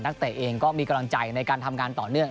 เตะเองก็มีกำลังใจในการทำงานต่อเนื่อง